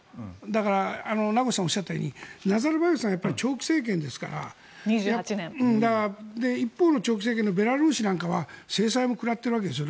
だから、名越さんがおっしゃったようにナザルバエフさんは長期政権ですから。一方の長期政権のベラルーシなんかは制裁も食らっているわけです。